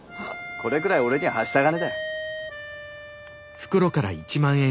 これくらい俺にははした金だ。